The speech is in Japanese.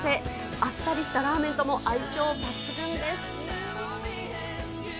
あっさりしたラーメンとも相性抜群です。